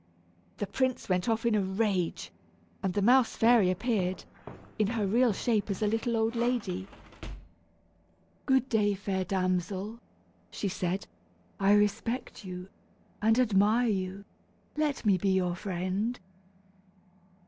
The prince went off in a rage, and the mouse fairy appeared, in her real shape as a little old lady. "Good day, fair damsel," she said. "I respect you and admire you let me be your friend."